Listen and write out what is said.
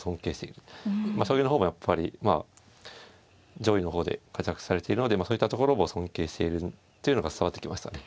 将棋の方もやっぱりまあ上位の方で活躍されているのでそういったところも尊敬しているというのが伝わってきましたね。